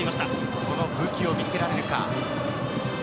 その武器を見せられるか。